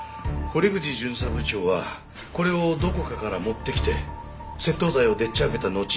堀口巡査部長はこれをどこかから持ってきて窃盗罪をでっち上げたのち遺棄した可能性があります。